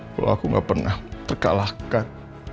kalau aku gak pernah terkalahkan